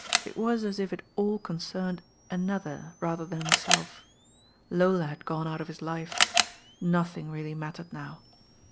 It was as if it all con cerned another rather than himself. Lola had gone out of his life—nothing really mattered now.